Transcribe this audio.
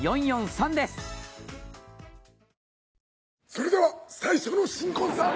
それでは最初の新婚さん